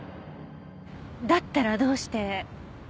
だったらどうして？